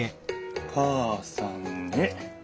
「母さんへ。